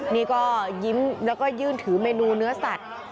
นี่ก็ยิ้มแล้วก็ยื่นถือเมนูเนื้อสัตว์